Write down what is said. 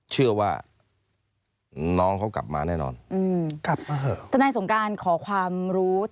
เชื่อว่าน้องเขากลับมาแน่นอนอืมกลับมาเถอะทนายสงการขอความรู้